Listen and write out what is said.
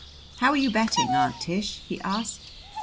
"How are you betting, Aunt Tish?" he asked.